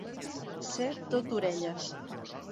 Ser tot orelles.